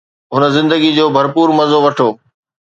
هن زندگيءَ جو ڀرپور مزو وٺو